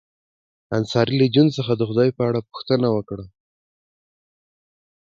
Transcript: انصاري له جون څخه د خدای په اړه پوښتنه وکړه